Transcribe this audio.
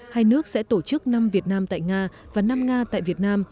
hai nước sẽ tổ chức năm việt nam tại nga và năm nga tại việt nam